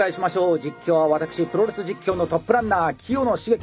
実況は私プロレス実況のトップランナー清野茂樹。